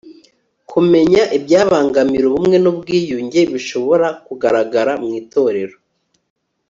kumenya ibyabangamira ubumwe n ubwiyunge bishobora kugaragara mu itorero